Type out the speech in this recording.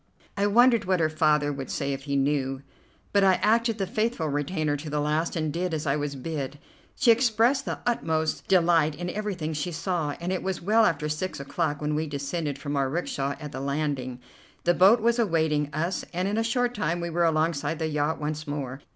I wondered what her father would say if he knew, but I acted the faithful retainer to the last, and did as I was bid. She expressed the utmost delight in everything she saw, and it was well after six o'clock when we descended from our 'rickshaw at the landing. The boat was awaiting us, and in a short time we were alongside the yacht once more.